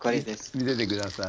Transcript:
見せて下さい。